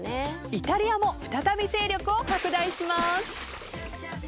イタリアも再び勢力を拡大します。